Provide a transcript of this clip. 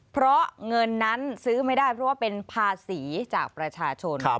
เพราะเงินนั้นซื้อไม่ได้เพราะว่าเป็นภาษีจากประชาชน